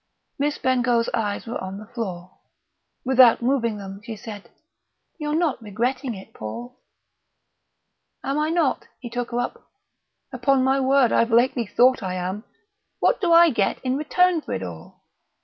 Miss Bengough's eyes were on the floor. Without moving them she said, "You're not regretting it, Paul?" "Am I not?" he took her up. "Upon my word, I've lately thought I am! What do I get in return for it all?"